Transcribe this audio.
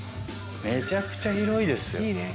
めちゃくちゃ広いですよ。